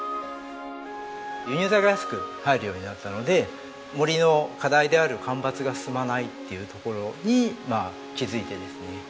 輸入材が安く入るようになったので森の課題である間伐が進まないっていうところに気づいてですね。